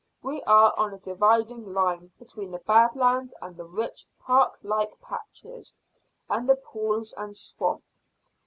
We are on a dividing line between the bad land and the rich park like patches and the pools and swamp.